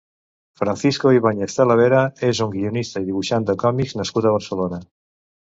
Francisco Ibáñez Talavera és un guionista i dibuixant de còmics nascut a Barcelona.